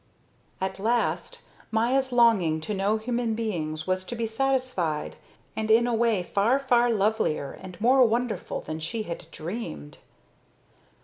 At last Maya's longing to know human beings was to be satisfied, and in a way far, far lovelier and more wonderful than she had dreamed.